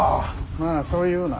まあそう言うな。